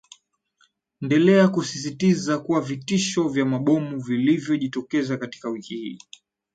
ndelea kusisitiza kuwa vitisho vya mabomu vilivyo jitokeza katika wiki hii